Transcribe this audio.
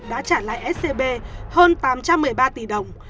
đã trả lại scb hơn tám trăm một mươi ba tỷ đồng